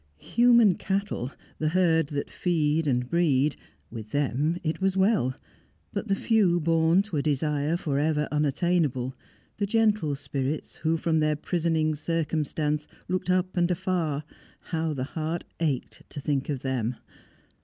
Human cattle, the herd that feed and breed, with them it was well; but the few born to a desire for ever unattainable, the gentle spirits who from their prisoning circumstance looked up and afar how the heart ached to think of them!